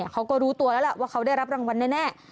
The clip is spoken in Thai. เขาก็รู้ตัวแล้วล่ะว่าเขาได้รับรางวัลแน่